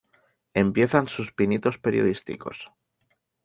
Empiezan sus pinitos periodísticos.